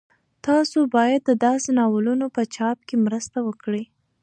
تاسو باید د داسې ناولونو په چاپ کې مرسته وکړئ.